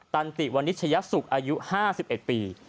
ตันติวันนิชยสุขอายุ๕๑ปี